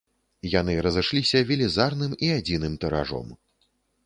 Яны разышліся велізарным і адзіным тыражом.